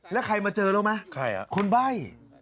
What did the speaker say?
แล้วใครมาเจอแล้วมั้ยคนใบ้